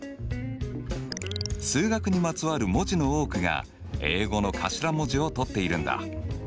数学にまつわる文字の多くが英語の頭文字を取っているんだ。